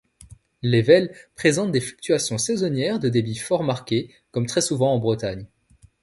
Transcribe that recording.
L'Ével présente des fluctuations saisonnières de débit fort marquées, comme très souvent en Bretagne.